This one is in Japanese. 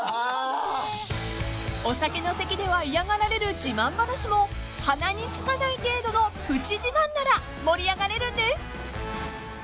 ［お酒の席では嫌がられる自慢話も鼻につかない程度のプチ自慢なら盛り上がれるんです］